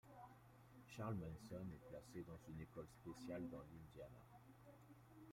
Charles Manson est placé dans une école spéciale dans l'Indiana.